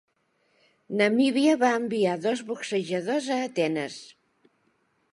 Namíbia va enviar dos boxejadors a Atenes.